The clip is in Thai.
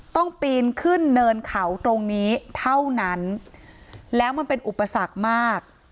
ปีนขึ้นเนินเขาตรงนี้เท่านั้นแล้วมันเป็นอุปสรรคมาก